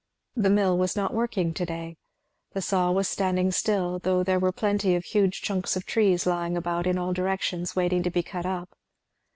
The mill was not working to day. The saw was standing still, though there were plenty of huge trunks of trees lying about in all directions waiting to be cut up.